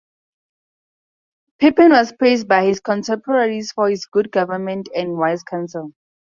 Pepin was praised by his contemporaries for his good government and wise counsel.